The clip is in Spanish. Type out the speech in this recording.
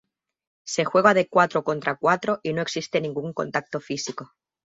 Se juega de cuatro contra cuatro y no existe ningún contacto físico.